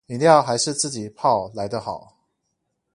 飲料還是自己泡來的好